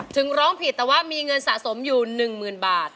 ร้องผิดแต่ว่ามีเงินสะสมอยู่๑๐๐๐บาท